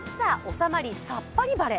収まりさっぱり晴れ。